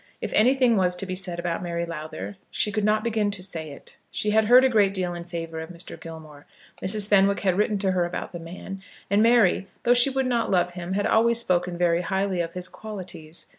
If anything was to be said about Mary Lowther, she could not begin to say it. She had heard a great deal in favour of Mr. Gilmore. Mrs. Fenwick had written to her about the man; and Mary, though she would not love him, had always spoken very highly of his qualities.